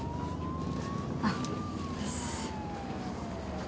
あっ。